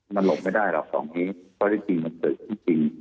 มันหลบไม่ได้หรอกตรงนี้ก็รู้จริงมันเกิดคุณจริง